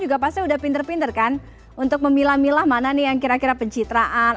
juga pasti udah pinter pinter kan untuk memilah milah mana nih yang kira kira pencitraan